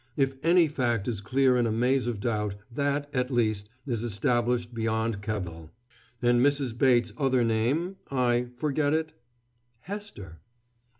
"If any fact is clear in a maze of doubt, that, at least, is established beyond cavil. And Mrs. Bates's other name I forget it?" "Hester."